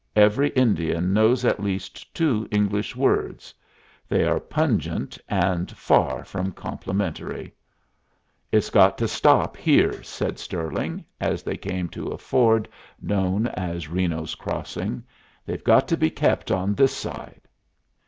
Every Indian knows at least two English words; they are pungent, and far from complimentary. "It's got to stop here," said Stirling, as they came to a ford known as Reno's Crossing. "They've got to be kept on this side."